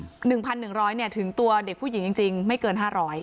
หนึ่งพันหนึ่งร้อยเนี่ยถึงตัวเด็กผู้หญิงจริงจริงไม่เกินห้าร้อย